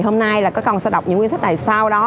hôm nay là các con sẽ đọc những nguyên sách này sau đó